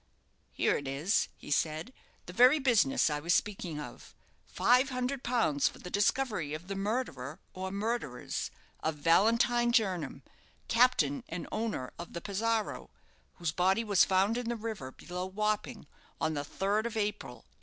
"Here it is," he said; "the very business I was speaking of. Five hundred pounds for the discovery of the murderer, or murderers, of Valentine Jernam, captain and owner of the 'Pizarro', whose body was found in the river, below Wapping, on the third of April, 1836.